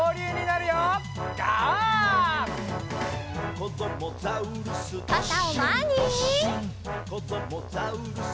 「こどもザウルス